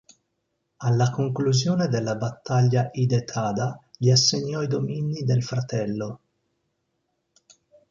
Alla conclusione della battaglia Hidetada gli assegnò i domini del fratello.